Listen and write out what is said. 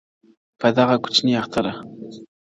پـــه دغـــه كـــوچــنــــي اخـــتــــــــره_